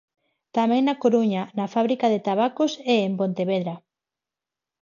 Tamén na Coruña, na Fábrica de Tabacos, e en Pontevedra.